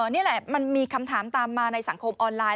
นี่แหละมันมีคำถามตามมาในสังคมออนไลน